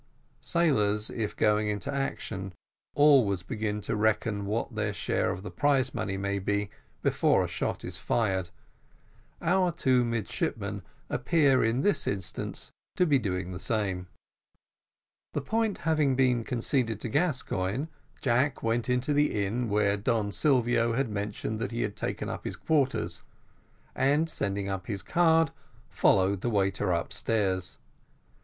Sailors, if going into action, always begin to reckon what their share of their prize money may be, before a shot is fired our two midshipmen appear in this instance to be doing the same. The point having been conceded to Gascoigne, Jack went to the inn where Don Silvio had mentioned that he had taken up his quarters, and sending up his card, followed the waiter upstairs.